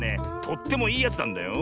とってもいいやつなんだよ。